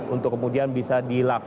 untuk kemudian bisa dilaksanakan